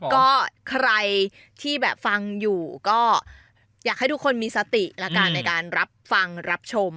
เพราะว่าใครที่ฟังอยู่ก็อยากให้ทุกคนมีสติในการรับฟังรับชม